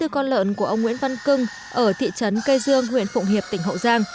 hai mươi con lợn của ông nguyễn văn cưng ở thị trấn cây dương huyện phụng hiệp tỉnh hậu giang